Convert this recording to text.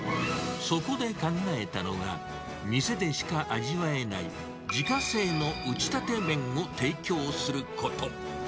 そこで考えたのが、店でしか味わえない、自家製の打ちたて麺を提供すること。